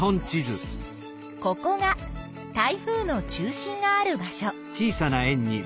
ここが台風の中心がある場所。